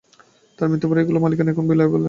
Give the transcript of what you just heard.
তাঁর মৃত্যুর পর এগুলোর মালিকানা এখন বিলওয়ালের।